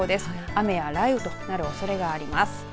雨や雷雨となるおそれがあります。